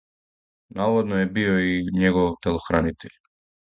Наводно је био и његов телохранитељ.